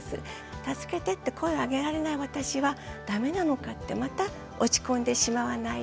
助けてって声を上げられない私は駄目なのかってまた落ち込んでしまわないように。